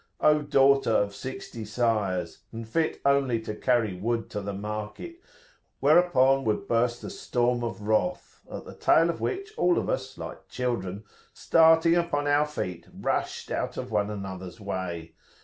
"O daughter of sixty sires, and fit only to carry wood to market!" whereupon would burst a storm of wrath, at the tail of which all of us, like children, starting upon our feet, rushed out of one another's way.